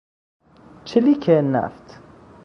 چلیک نفت